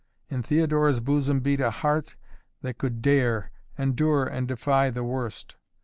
In Theodora's bosom beat a heart that could dare, endure and defy the worst.